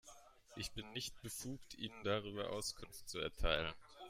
Ich bin nicht befugt, Ihnen darüber Auskunft zu erteilen.